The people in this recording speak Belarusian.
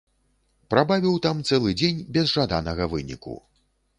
Прабавіў там цэлы дзень без жаданага выніку.